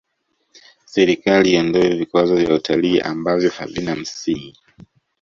serikali iondoe vikwazo vya utalii ambavyo havina msingi